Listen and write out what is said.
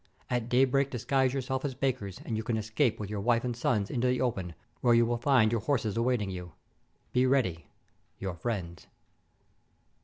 At daybreak dis guise yourselves as bakers, and you can escape with your wife and sons into the open, where you will find your horses awaiting you. Be ready! "Your Friends!"